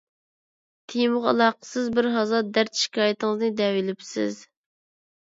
تېمىغا ئالاقىسىز بىرھازا دەرد - شىكايىتىڭىزنى دەۋېلىپسىز.